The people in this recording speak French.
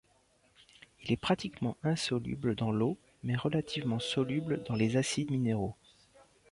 Il est pratiquement insoluble dans l'eau, mais relativement soluble dans les acides minéraux.